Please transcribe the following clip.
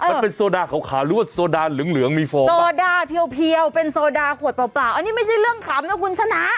มันเป็นโซดาขาวหรือว่าโซดาเหลืองมีโฟดาเพียวเป็นโซดาขวดเปล่าอันนี้ไม่ใช่เรื่องขำนะคุณชนะ